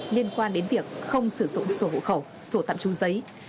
liên quan đến việc không sử dụng sổ hộ khẩu sổ tạm trú giấy